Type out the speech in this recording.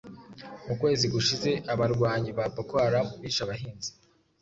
Mu kwezi gushize, abarwanyi ba Boko Haram bishe abahinzi